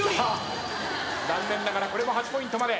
残念ながらこれも８ポイントまで。